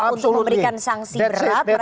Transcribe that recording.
untuk memberikan sanksi berat